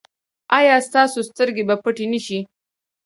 ایا ستاسو سترګې به پټې نه شي؟